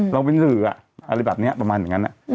เราเป็นสื่ออะไรแบบนี้ประมาณอย่างนั้น